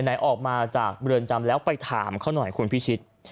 ไหนออกมาจากเรือนจำแล้วไปถามเขาหน่อยคุณพิชิต